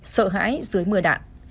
ngãi dưới mưa đạn